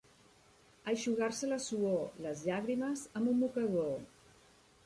Eixugar-se la suor, les llàgrimes, amb un mocador.